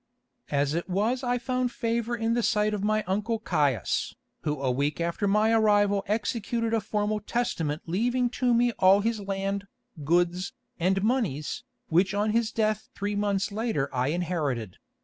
"As it was I found favour in the sight of my uncle Caius, who a week after my arrival executed a formal testament leaving to me all his land, goods, and moneys, which on his death three months later I inherited.